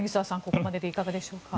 ここまででいかがでしょうか。